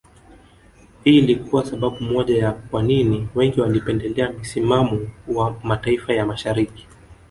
Hii ilikuwa sababu moja ya kwa nini wengi walipendelea misimamo wa mataifa ya Mashariki